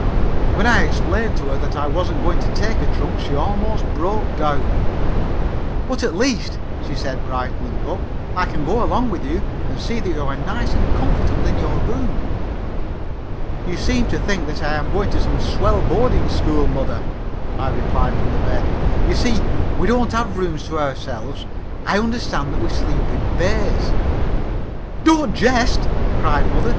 When I explained to her that I wasn't going to take a trunk she almost broke down. "But at least," she said, brightening up, "I can go along with you and see that you are nice and comfortable in your room." "You seem to think that I am going to some swell boarding school, mother," I replied from the bed. "You see, we don't have rooms to ourselves. I understand that we sleep in bays." "Don't jest," cried mother.